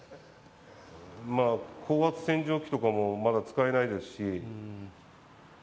高圧洗浄機とかもまだ使えないですし。